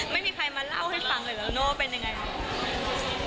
อ๋อไม่มีใครมาเล่าให้ฟังเลยแล้วโน่เป็นไง